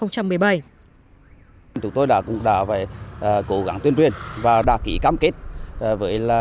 chúng tôi đã cố gắng tuyên truyền và đã kỹ cam kết với